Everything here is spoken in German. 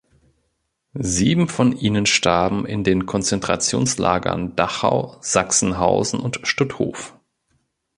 Sieben von ihnen starben in den Konzentrationslagern Dachau, Sachsenhausen und Stutthof.